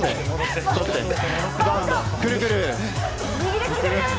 くるくる。